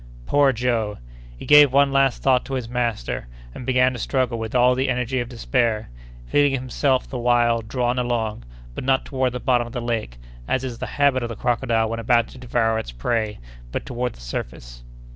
Poor Joe! he gave one last thought to his master; and began to struggle with all the energy of despair, feeling himself the while drawn along, but not toward the bottom of the lake, as is the habit of the crocodile when about to devour its prey, but toward the surface.